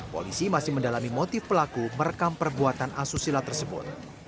polisi masih mendalami motif pelaku merekam perbuatan asusila tersebut